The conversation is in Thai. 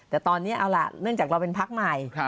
แต่ตอนนี้เอาล่ะเนื่องจากเราเป็นพักใหม่